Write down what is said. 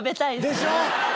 でしょ？